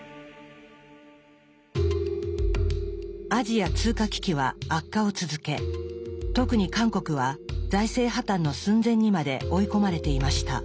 アジア通貨危機は悪化を続け特に韓国は財政破綻の寸前にまで追い込まれていました。